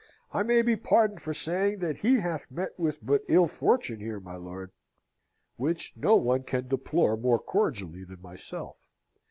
"I may be pardoned for saying that he hath met with but ill fortune here, my lord." "Which no one can deplore more cordially than myself.